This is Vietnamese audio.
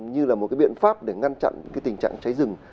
như là một cái biện pháp để ngăn chặn tình trạng cháy rừng